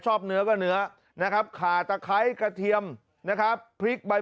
เนื้อก็เนื้อนะครับขาตะไคร้กระเทียมนะครับพริกใบ